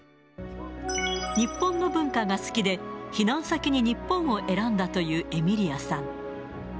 日本の文化が好きで、避難先に日本を選んだというエミリアさん。